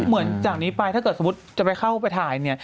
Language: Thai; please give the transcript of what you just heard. เหมือนจากนี้ไปถ้าเกิดสมมุติจะไปเข้าไปถ่าย